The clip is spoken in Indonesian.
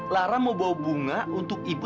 lara mau bawa bunga untuk ibu